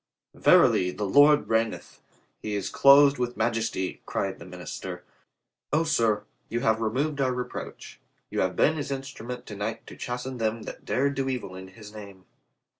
"Verily, the Lord reigneth. He is clothed with majesty," cried the minister. "O, sir, you have re moved our reproach. You have been His instru ment to night to chasten them that dared do evil in His name."